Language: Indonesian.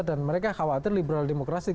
dan mereka khawatir liberal demokrasi